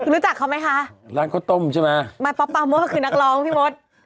รู้จักเขาไหมคะร้านข้าวต้มใช่ไหมไม่ป๊อปปาโม่ก็คือนักร้องพี่มด